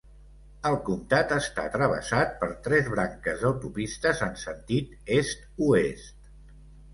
El comtat està travessat per tres branques d'autopistes en sentit est-oest.